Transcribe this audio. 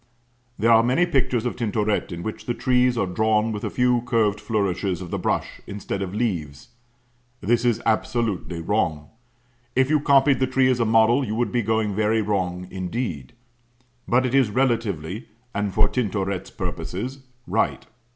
There are many pictures of Tintoret in which the trees are drawn with a few curved flourishes of the brush instead of leaves. That is (absolutely) wrong. If you copied the tree as a model, you would be going very wrong indeed. But it is relatively, and for Tintoret's purposes, right.